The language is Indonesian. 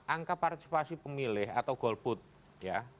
angka partisipasi pemilih atau golput ya